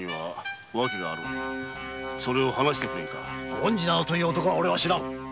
権次などという男は知らぬ！